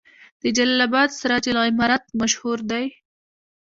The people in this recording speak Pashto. د جلال اباد سراج العمارت مشهور دی